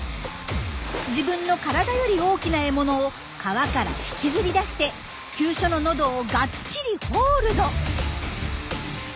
自分の体より大きな獲物を川から引きずり出して急所の喉をがっちりホールド。